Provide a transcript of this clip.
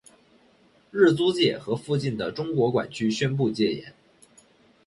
日租界和附近的中国管区宣布戒严。